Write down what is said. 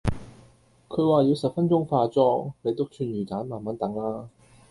佢話要十分鐘化妝，你篤串魚旦慢慢等啦